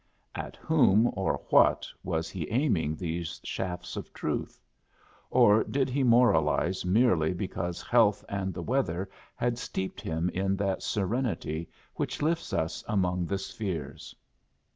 At whom or what was he aiming these shafts of truth? Or did he moralize merely because health and the weather had steeped him in that serenity which lifts us among the spheres?